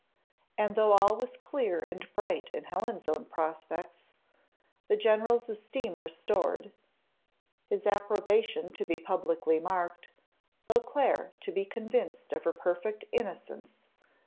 And though all was clear and bright in Helen's own prospects, the general's esteem restored, his approbation to be publicly marked, Beauclerc to be convinced of her perfect innocence!